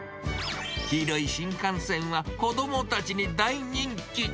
黄色い新幹線は、子どもたちに大人気。